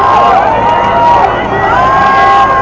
ขอบคุณทุกคน